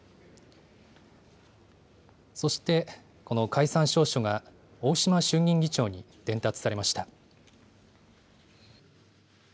そして、この解散詔書が大島衆議院議長に伝達されました。